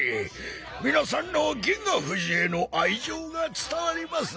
みなさんの銀河フジへのあいじょうがつたわりますな。